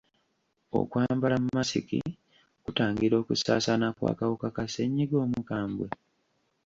Okwambala masiki kutangira okusaasaana kw'akawuka ka ssennyiga omukambwe?